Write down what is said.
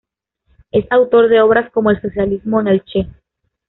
Es autor de obras como "El Socialismo en el Che.